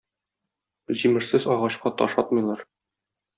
Җимешсез агачка таш атмыйлар.